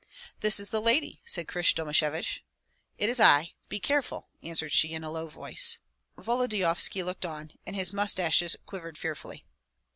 "This is the lady," said Krysh Domashevich. "It is I. Be careful!" answered she, in a low voice. Volodyovski looked on, and his mustaches quivered fearfully.